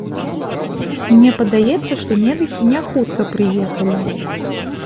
Мне падаецца, што медыкі не хутка прыехалі.